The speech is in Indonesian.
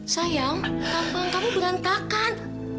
sayang kampung kamu berantakan